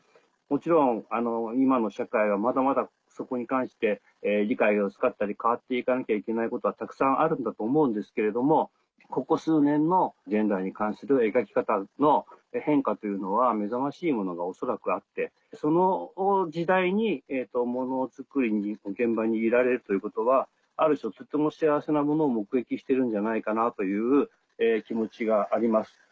もちろん今の社会はまだまだそこに関して理解が薄かったり変わって行かなきゃいけないことはたくさんあるんだと思うんですけれどもここ数年のジェンダーに関する描き方の変化というのは目覚ましいものが恐らくあってその時代に物作りに現場にいられるということはある種とても幸せなものを目撃してるんじゃないかなという気持ちがあります。